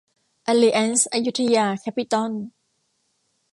อลิอันซ์ อยุธยา แคปปิตอล